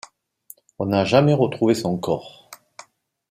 On n'a jamais retrouvé son corps.